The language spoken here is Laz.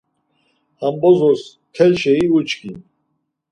Ham bozoz tel şeyi uçkin.